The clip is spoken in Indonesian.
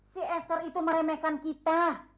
si ester itu meremehkan kita